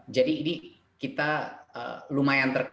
jadi ini kita lumayan terbuka